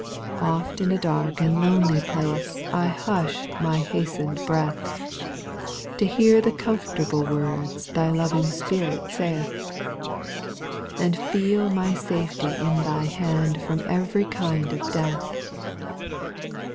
3. Oft in a dark and lonely place, I hush my hastened breath. To hear the comfortable words Thy loving Spirit saith ; And feel my safety in Thy hand From every kind of death.